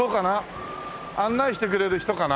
案内してくれる人かな？